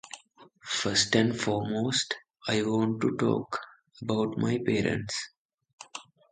First and foremost, I want to talk about my parents.